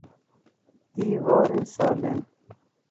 دیوار سالم